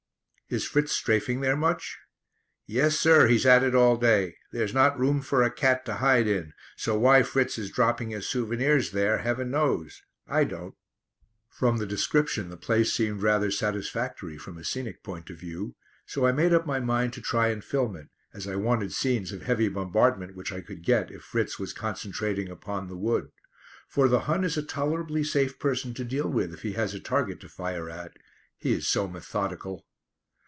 "Is Fritz strafing there much?" "Yes, sir, he's at it all day: there's not room for a cat to hide in, so why Fritz is dropping his souvenirs there heaven knows; I don't." From the description the place seemed rather satisfactory from a scenic point of view, so I made up my mind to try and film it, as I wanted scenes of heavy bombardment which I could get if Fritz was concentrating upon the wood, for the Hun is a tolerably safe person to deal with if he has a target to fire at; he is so methodical.